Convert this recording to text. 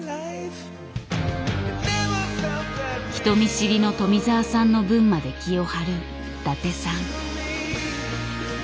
人見知りの富澤さんの分まで気を張る伊達さん。